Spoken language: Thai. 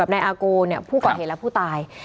กับนายอากูเนี่ยผู้เกาะเหตุและผู้ตาย